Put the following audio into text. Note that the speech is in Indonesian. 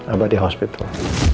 abah di hospital